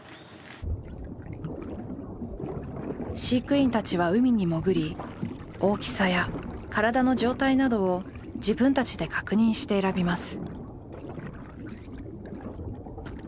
飼育員たちは海に潜り大きさや体の状態などを自分たちで確認して選びます。